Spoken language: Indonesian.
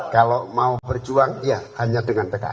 kalau mau berjuang ya hanya dengan pks